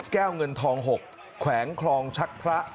เงินทอง๖แขวงคลองชักพระ